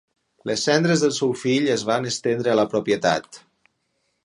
Les cendres del seu fill es van estendre a la propietat.